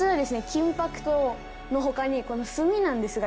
金箔の他にこの墨なんですが。